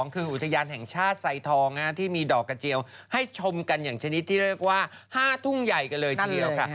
คืออุทยานแห่งชาติไซทองที่มีดอกกระเจียวให้ชมกันอย่างชนิดที่เรียกว่า๕ทุ่งใหญ่กันเลยทีเดียวค่ะ